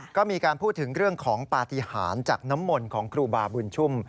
ก็มีการพูดถึงเรื่องของปฏิหารจากน้ำมนต์ของครูบาบุญชุ่ม